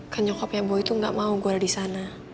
kan nyokapnya boy tuh gak mau gue ada disana